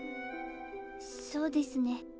そうですね。